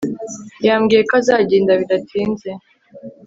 Yambwiye ko azagenda bidatinze